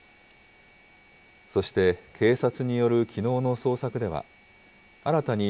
そして、警察によるきのうの捜索では、新たに